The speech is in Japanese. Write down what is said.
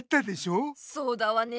「そうだわねえ」。